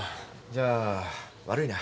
じゃあ悪いな。